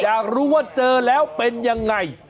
อยากรู้ว่าเจอแล้วเป็นยังไง